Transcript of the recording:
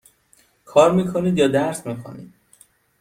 کار می کنید یا درس می خوانید؟